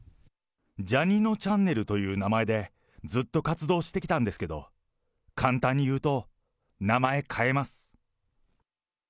ジャにのちゃんねるという名前でずっと活動してきたんですけど、簡単に言うと、名前変えます。